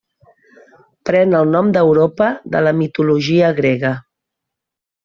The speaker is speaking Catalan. Pren el nom d'Europa de la mitologia grega.